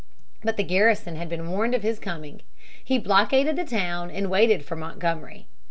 But the garrison had been warned of his coming. He blockaded the town and waited for Montgomery.